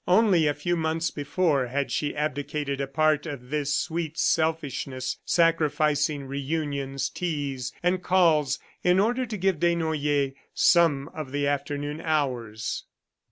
Only a few months before had she abdicated a part of this sweet selfishness, sacrificing reunions, teas, and calls in order to give Desnoyers some of the afternoon hours.